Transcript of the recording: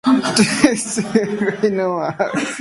Rodó pertenece a la tendencia literaria del modernismo.